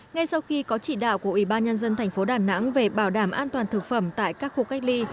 ngay sau khi có chỉ đạo của ủy ban nhân dân thành phố đà nẵng về bảo đảm an toàn thực phẩm tại các khu cách ly